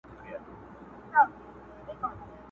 چي باد مي ستا له لاري څخه پلونه تښتوي؛